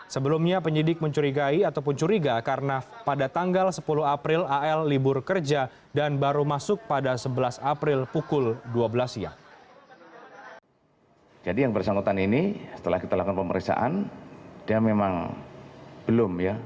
sebelumnya penyidik mencurigai ataupun curiga karena pada tanggal sepuluh april al libur kerja dan baru masuk pada sebelas april